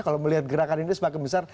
kalau melihat gerakan ini semakin besar